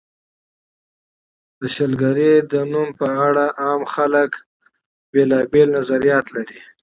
د شلګر د نوم په اړه عام خلک بېلابېل نظریات لري.